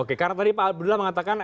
oke karena tadi pak abdullah mengatakan